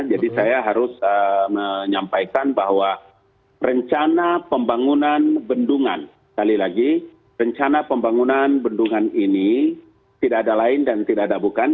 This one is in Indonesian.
jadi saya harus menyampaikan bahwa rencana pembangunan bendungan sekali lagi rencana pembangunan bendungan ini tidak ada lain dan tidak ada bukan